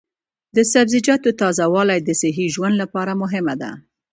د سبزیجاتو تازه والي د صحي ژوند لپاره مهمه ده.